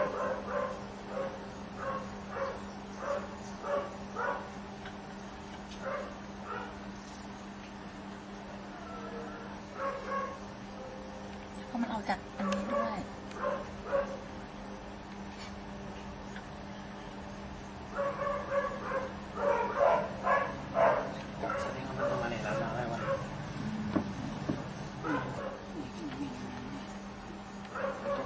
แล้วก็มันเอาจากอันนี้ด้วย